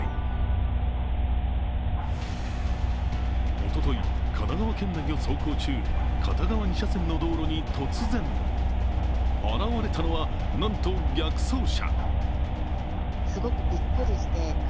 おととい、神奈川県内を走行中、片側二車線の道路に突然、現れたのはなんと逆走車。